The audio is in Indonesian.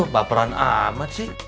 baperan amat sih